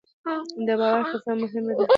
د باور فضا مهمه ده